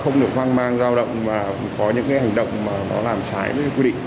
không được vang mang giao động và có những hành động mà nó làm trái với quy định